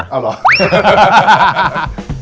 อ้าวเหรอ